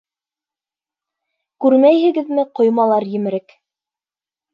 Күрмәйһегеҙме, ҡоймалар емерек...